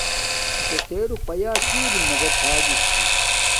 بیکے تے روپاݵݵ کی اری مافض تھا گی چھی،